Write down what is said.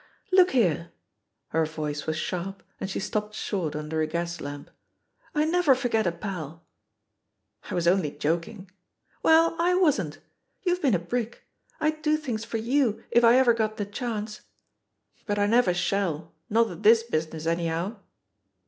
LiOok here!" Her voice was sharp, and she stopped short under a gas lamp. ''I never for* get a paL" I was only joking/* Well, I wasn't. You've been a brick. I'd do things for you if I ever got the chance. ••. But I never shall, not at this business, anyhow!"